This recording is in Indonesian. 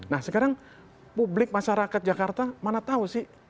nah sekarang publik masyarakat jakarta mana tahu sih